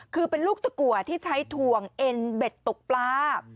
คือเป็นลูกตะกัวที่ใช้ถ่วงเอ็นเบ็ดตกปลา